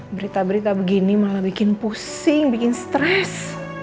berita berita begini malah bikin pusing bikin stres